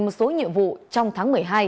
một số nhiệm vụ trong tháng một mươi hai